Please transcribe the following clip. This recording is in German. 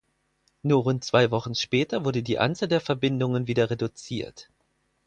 Nur rund zwei Wochen später wurde die Anzahl der Verbindungen wieder reduziert.